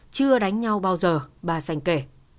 chưa đánh nhau bao giờ bà sành kể